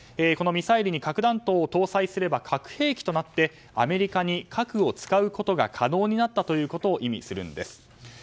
このミサイルに核弾頭を搭載すれば核兵器となってアメリカに核を使うことが可能になったことを意味するんです。